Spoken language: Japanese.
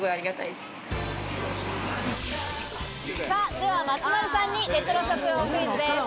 では松丸さんにレトロ食堂クイズです。